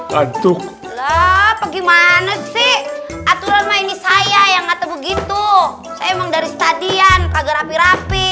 gantuk gimana sih aturan main saya yang atau begitu saya emang dari stadion kagak rapi rapi